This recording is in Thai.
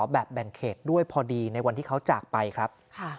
แบ่งเขตด้วยพอดีในวันที่เขาจากไปครับ